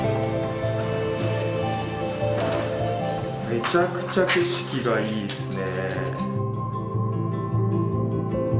めちゃくちゃ景色がいいですね。